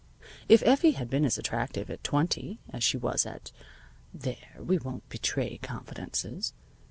If Effie had been as attractive at twenty as she was at there, we won't betray confidences.